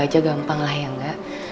ya semoga aja gampang lah ya gak